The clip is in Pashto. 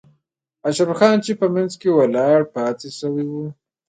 اشرف خان چې په منځ کې ولاړ پاتې شوی و.